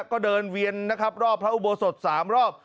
ก็เดินเวียนนะครับรอบพระอุโบสถ๓รอบ